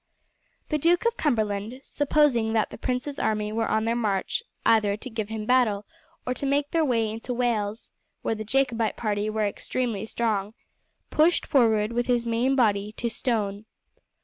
The Duke of Cumberland, supposing that the prince's army were on their march either to give him battle or to make their way into Wales, where the Jacobite party were extremely strong, pushed forward with his main body to Stone.